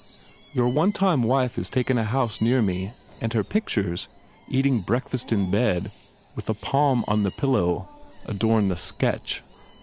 ... Your one time wife has taken a house near me and her pictures, eating breakfast in bed with a Pom on the pillow, adorn the Sketch.